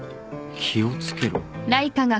気を付けろ。